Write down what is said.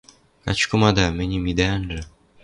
Качкымада, мӹньӹм идӓ анжы...